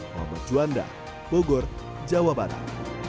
muhammad juanda bogor jawa barat